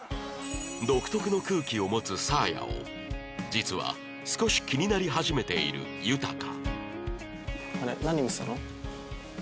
独特の空気を持つサアヤを実は少し気になり始めているユタカ